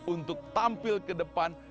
untuk tampil ke depan